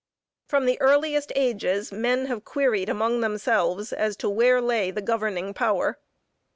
From the earliest ages men have queried among themselves as to where lay the governing power.